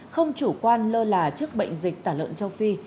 không chủ quan lơ là trước bệnh dịch tả lợn châu phi